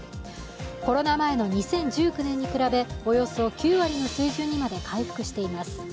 コロナ前の２０１９年に比べおよそ９割の水準にまで回復しています。